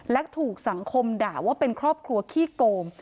และถูกสังคมด่าว่าเป็นครอบครัวขี้โกง